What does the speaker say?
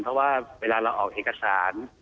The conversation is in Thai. เพราะว่าเวลาเราออกเอกสาร